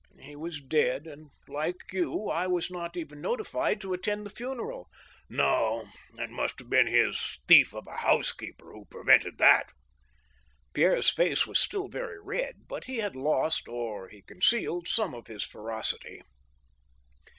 he was dead, and, like you, I was not even notified to attend his funeral." " No ; it must have been his thief of a housekeeper who prevent ed that." Pierre's face was still very red, but he had lost, or he concealed, some of his ferocity.